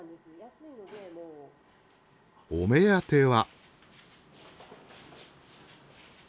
お目当ては。